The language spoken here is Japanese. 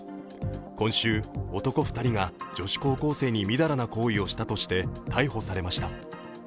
今週、男２人が女子高校生にみだらな行為をしたとして逮捕されました。